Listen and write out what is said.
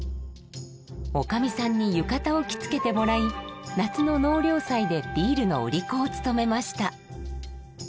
女将さんに浴衣を着付けてもらい夏の納涼祭でビールの売り子を務めました。